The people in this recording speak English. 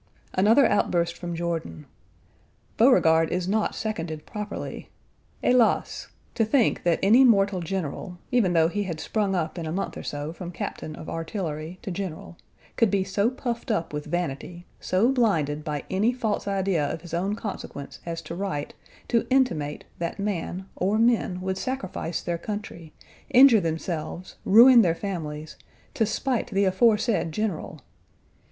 Another outburst from Jordan. Beauregard is not seconded properly. Hélas! To think that any mortal general (even though he had sprung up in a month or so from captain of artillery to general) could be so puffed up with vanity, so blinded by any false idea of his own consequence as to write, to intimate that man, or men, would sacrifice their country, injure themselves, ruin their families, to spite the aforesaid general!